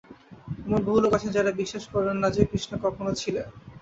এমন বহু লোক আছেন, যাঁহারা বিশ্বাস করেন না যে, কৃষ্ণ কখনও ছিলেন।